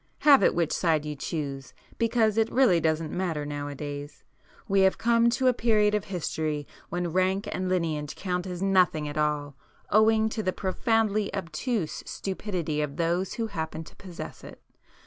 Have it which side you choose!—because it really doesn't matter nowadays. We have come to a period of history when rank and lineage count as nothing at all, owing to the profoundly obtuse stupidity of those who happen to possess it.